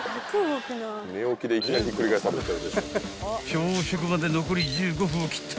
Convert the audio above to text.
［朝食まで残り１５分を切った］